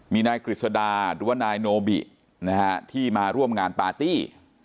มีนายกฤษดาหรือว่านายโนบิที่มาร่วมงานปาร์ตี้